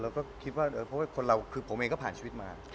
เราก็คิดว่าคือผมเองก็ผ่านชีวิตมา